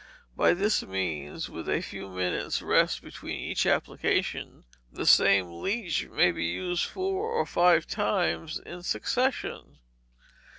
By this means, with a few minutes' rest between each application, the same leech may be used four or five times in succession.